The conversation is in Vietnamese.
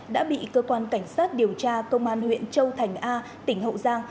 đã bị cơ quan cảnh sát điều tra công an huyện châu thành a tỉnh hậu giang